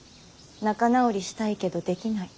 仲直りしたいけどできない。